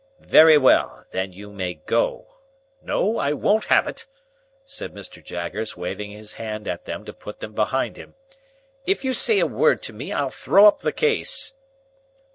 "Very well; then you may go. Now, I won't have it!" said Mr Jaggers, waving his hand at them to put them behind him. "If you say a word to me, I'll throw up the case."